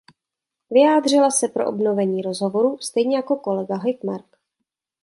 Vyjádřila se pro obnovení rozhovorů, stejně jako kolega Hökmark.